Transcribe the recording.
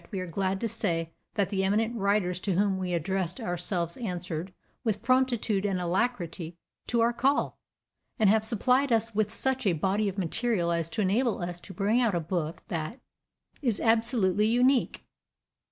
We are glad to say that the eminent writers to whom we addressed ourselves answered with promptitude and alacrity to our call, and have supplied us with such a body of material as to enable us to bring out a book that is absolutely unique.